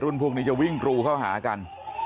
กลุ่มวัยรุ่นพวกนี้จะวิ่งกรูเข้าหากัน